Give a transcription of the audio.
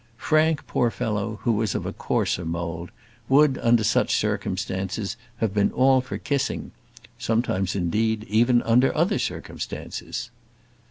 Frank, poor fellow! who was of a coarser mould, would, under such circumstances, have been all for kissing sometimes, indeed, even under other circumstances.